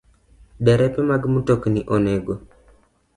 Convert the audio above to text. Derepe mag mtokni onego